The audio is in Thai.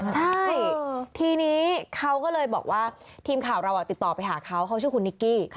ใช่ทีนี้เขาก็เลยบอกว่าทีมข่าวเราติดต่อไปหาเขาเขาชื่อคุณนิกกี้